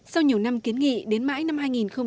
sau nhiều năm kiến nghị đến mãi năm hai nghìn một mươi sáu